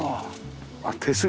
あっ手すり。